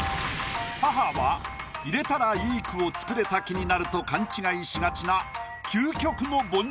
「母」は入れたら良い句を作れた気になると勘違いしがちな